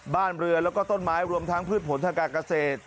บ้านเรือแล้วก็ต้นไม้รวมทั้งพืชผลทางการเกษตร